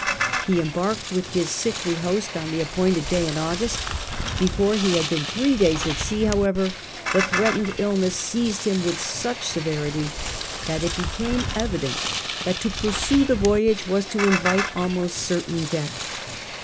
He embarked with his sickly host on the appointed day in August. Before he had been three days at sea, however, the threatened illness seized him with such severity that it became evident that to pursue the voyage was to invite almost certain death.